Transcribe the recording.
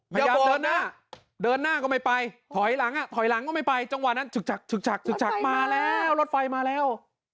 พยายามเดินหน้าก็ไม่ไปถอยหลังก็ไม่ไปจังหวานนั้นจึกจักจึกจักมาแล้วรถไฟมาแล้ว